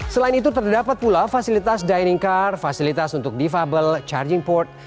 selain itu terdapat pula fasilitas dining car fasilitas untuk defable charging port